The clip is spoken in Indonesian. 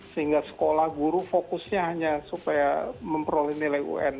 sehingga sekolah guru fokusnya hanya supaya memperoleh nilai un